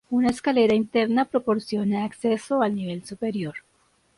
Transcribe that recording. Una escalera interna proporciona acceso al nivel superior.